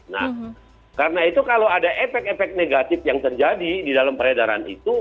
nah karena itu kalau ada efek efek negatif yang terjadi di dalam peredaran itu